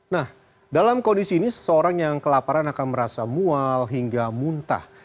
nah dalam kondisi ini seseorang yang kelaparan akan merasa mual hingga muntah